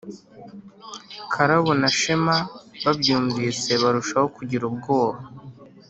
karabo na shema babyumvise barushaho kugira ubwoba.